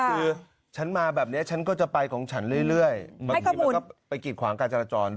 คือฉันมาแบบนี้ฉันก็จะไปของฉันเรื่อยแล้วก็ไปกิดขวางการจรจรด้วย